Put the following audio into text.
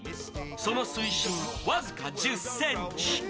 その水深、僅か１０ｃｍ。